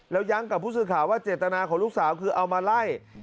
แล้วย้ำกับผู้สื่อข่าวว่าเจตนาของลูกสาวคือเอามาไล่